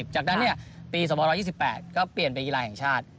จากนั้นปี๒๒๘ก็เปลี่ยนเป็นกีฬาแห่งชาติ